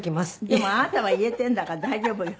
でもあなたは言えてるんだから大丈夫よ。